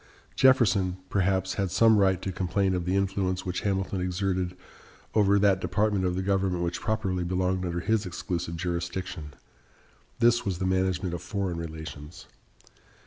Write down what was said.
Jefferson, perhaps, had some right to complain of the influence which Hamilton exerted over that department of the government which properly belonged under his exclusive jurisdiction. This was the management of foreign relations.